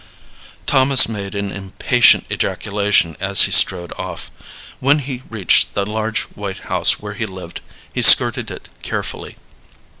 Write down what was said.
Thomas made an impatient ejaculation as he strode off. When he reached the large white house where he lived he skirted it carefully.